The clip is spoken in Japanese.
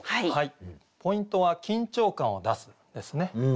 ポイントは「緊張感を出す」ですね。